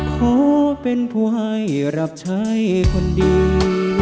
ขอเป็นผู้ให้รับใช้คนดี